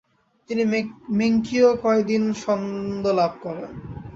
তিনি মেঙ্কিয়ো কাইদেন সন্দ লাভ করেন।